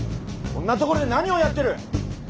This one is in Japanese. こんなところで何をやってる！